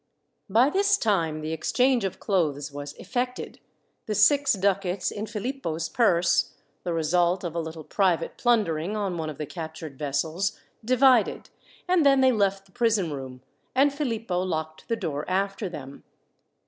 By this time the exchange of clothes was effected, the six ducats in Philippo's purse the result of a little private plundering on one of the captured vessels divided; and then they left the prison room, and Philippo locked the door after them.